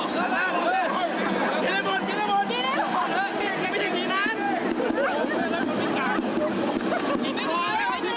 ฮ่าฮ่าฮ่า